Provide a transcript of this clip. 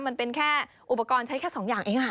มันเป็นแค่อุปกรณ์ใช้แค่๒อย่างเอง